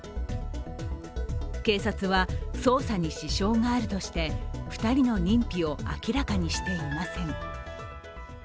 警察は捜査に支障があるとして２人の認否を明らかにしていません